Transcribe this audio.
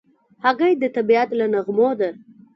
هګۍ د طبیعت له نعمتونو ده.